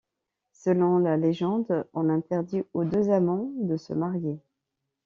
Selon la légende, on interdit aux deux amants de se marier.